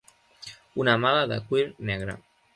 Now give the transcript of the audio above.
Una mala de cuir negre.